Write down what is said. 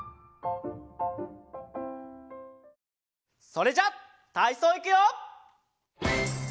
それじゃたいそういくよ！